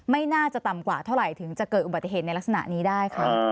ไม่น่าจะต่ำกว่าเท่าไหร่ถึงจะเกิดอุบัติเหตุในลักษณะนี้ได้ค่ะ